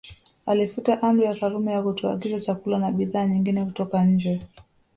Alifuta Amri ya Karume ya kutoagiza chakula na bidhaa nyingine kutoka nje